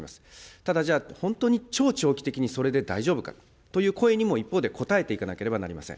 ただじゃあ、本当に超長期的にそれで大丈夫かという声にも一方で答えていかなければなりません。